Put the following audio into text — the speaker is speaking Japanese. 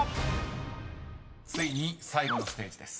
［ついに最後のステージです］